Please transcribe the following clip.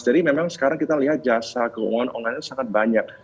jadi memang sekarang kita lihat jasa keuangan online itu sangat banyak